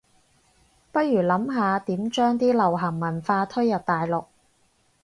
不如諗下點將啲流行文化推入大陸